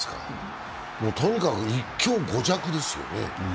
とにかく１強５弱ですよね。